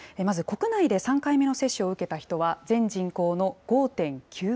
まず国内で３回目の接種を受けた人は、全人口の５．９％。